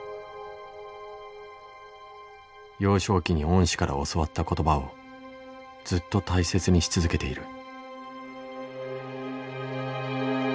幼少期に恩師から教わった言葉をずっと大切にし続けている。